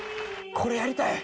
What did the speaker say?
これやりたい！